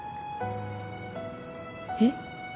えっ？